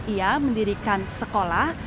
ia mendirikan sekolah